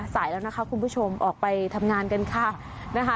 สายแล้วนะคะคุณผู้ชมออกไปทำงานกันค่ะนะคะ